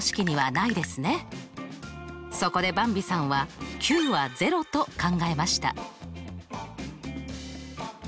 そこでばんびさんはｑは０と考えました。